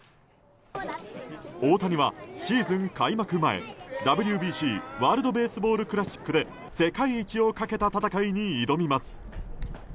大谷は、シーズン開幕前ＷＢＣ・ワールド・ベースボール・クラシックで世界一をかけた戦いに挑みます。